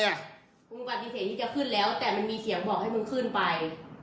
กูปฏิเสธที่จะขึ้นแล้วแต่มันมีเสียงบอกให้มึงขึ้นไป